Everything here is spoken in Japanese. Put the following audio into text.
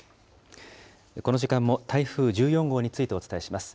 この時間も台風１４号についてお伝えします。